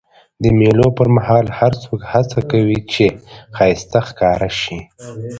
د مېلو پر مهال هر څوک هڅه کوي، چي ښایسته ښکاره سي.